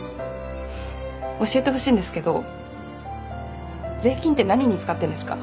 教えてほしいんですけど税金って何に使ってるんですか？